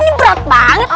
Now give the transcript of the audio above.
ini berat banget